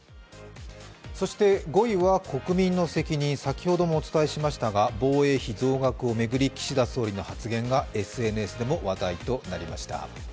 ５位は国民の責任、先ほどもお伝えしましたが防衛費増額を巡り岸田総理の発言がＳＮＳでも話題となりました。